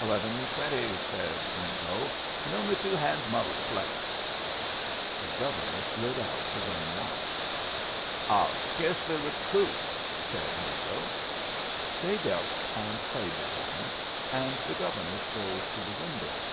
"Eleven twenty," said Wingo, "and only two hands mo' to play." The Governor slid out his own watch. "I'll scahsely recoup," said Wingo. They dealt and played the hand, and the Governor strolled to the window.